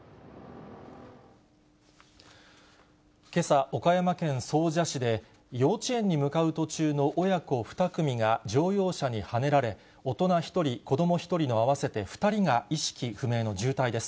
けさ、岡山県総社市で、幼稚園に向かう途中の親子２組が乗用車にはねられ、大人１人、子ども１人の合わせて２人が意識不明の重体です。